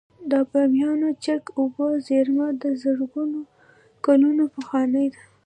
د بامیانو چک اوبو زیرمه د زرګونه کلونو پخوانۍ ده